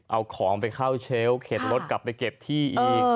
เอาของไปเข้าเชลล์เข็ดรถกลับไปเก็บที่อีก